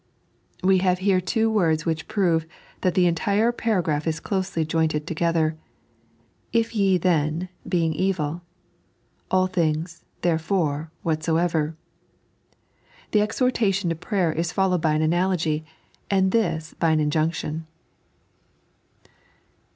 li. We have here two words which prove that the eatire paragraph is closely jointed together :" If yo then being evil"; "All things, £(«rB/ore, whatsoever." The eshorta tion to prayer is followed by an analogy, and this by an injunction.